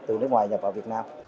từ nước ngoài nhập vào việt nam